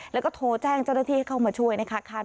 แล้วก็โทรแจ้งเจ้าหน้าที่ให้เข้ามาช่วยนะคะ